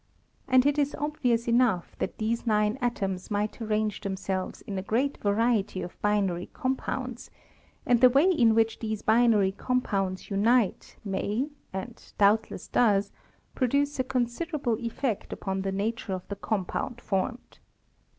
And it is obvious enough that these nine atoms might arrange them selves in a great variety of binary compounds, and the way in which these binary compounds unite may, and doubtless does, produce a considerable effect upon the nature of the compound formed.